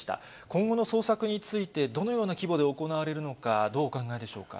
今後の捜索について、どのような規模で行われるのか、どうお考えでしょうか。